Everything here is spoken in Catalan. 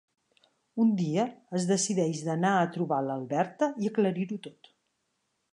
Un dia es decideix d'anar a trobar l'Alberta i aclarir-ho tot.